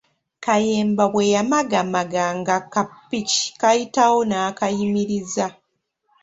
Kayemba bwe yamagamaga ng’akapiki kayitawo n’akayimiriza.